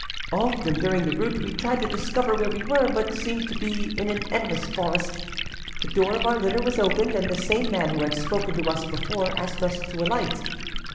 Often, during the route, we had tried to discover where we were, but seemed to be in an endless forest. The door of our litter was opened, and the same man who had spoken to us before asked us to alight.